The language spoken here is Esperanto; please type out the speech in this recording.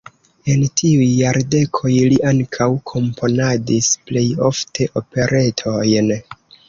En tiuj jardekoj li ankaŭ komponadis, plej ofte operetojn.